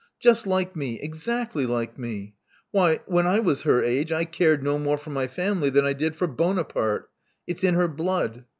Just like me: exactly like me. Why, when I was her age, I cared no more for my family than I did for Buona parte. It's in her blood.